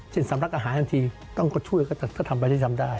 เช่นสำรักอาหารที่ต้องกดช่วยถ้าทำไปด้วยที่ทำได้